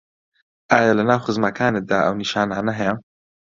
ئایا لەناو خزمەکانتدا ئەو نیشانانه هەیە